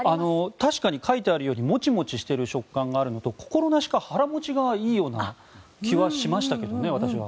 確かに書いてあるようにモチモチしている食感があるのと心なしか腹持ちがいいような気はしましたけどね、私は。